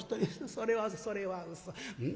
それはうそそれはうそ。